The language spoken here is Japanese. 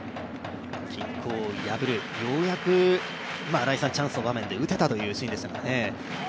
均衡を破る、ようやく新井さん、チャンスの場面で打てたというところでしたからね。